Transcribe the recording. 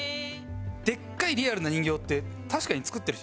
でっかいリアルな人形って確かに作ってる人いないですよね。